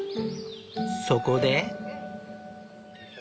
そこで。